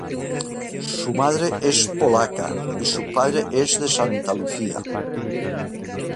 Su madre es polaca y su padre es de Santa Lucía.